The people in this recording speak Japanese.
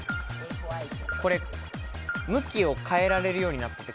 向きを変えられるようになってる。